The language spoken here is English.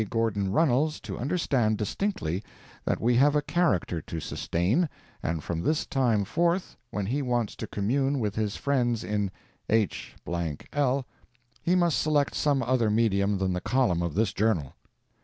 Gordon Runnels to understand distinctly that we have a character to sustain, and from this time forth when he wants to commune with his friends in h—l, he must select some other medium than the columns of this journal!"